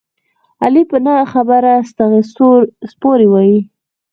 علي په نه خبره ستغې سپورې وايي.